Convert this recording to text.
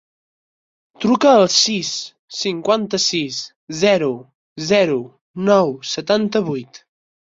Truca al sis, cinquanta-sis, zero, zero, nou, setanta-vuit.